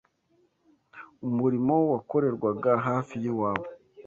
umurimo wakorerwaga hafi y’iwabo